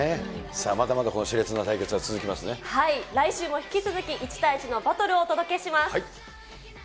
まだまだこのしれつな来週も引き続き、１対１のバトルをお届けします。